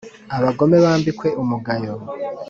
abagome bambikwe umugayo